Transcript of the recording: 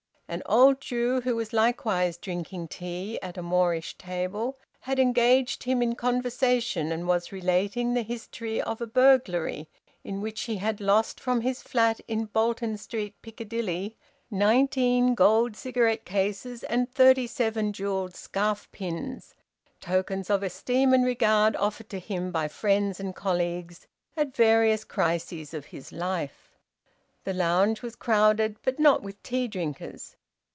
An old Jew, who was likewise drinking tea at a Moorish table, had engaged him in conversation and was relating the history of a burglary in which he had lost from his flat in Bolton Street, Piccadilly, nineteen gold cigarette cases and thirty seven jewelled scarf pins, tokens of esteem and regard offered to him by friends and colleagues at various crises of his life. The lounge was crowded, but not with tea drinkers.